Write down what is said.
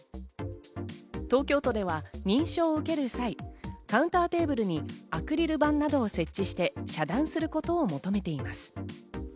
東京都では認証を受ける際、カウンターテーブルにアクリル板などを設置して遮断することを求めています。